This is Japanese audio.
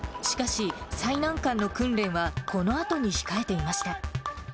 しかし、最難関の訓練は、このあとに控えていました。